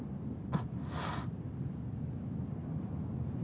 あっ。